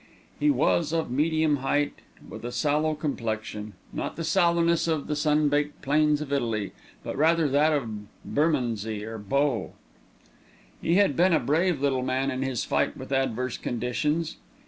He was of medium height, with a sallow complexion not the sallowness of the sun baked plains of Italy, but rather that of Bermondsey or Bow. He had been a brave little man in his fight with adverse conditions.